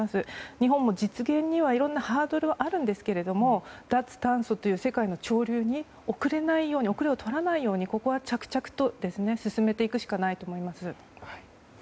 日本も実現にはいろいろなハードルはあるんですけれども脱炭素という世界の潮流に後れを取らないようにここは着々と進めていくしかないと思います。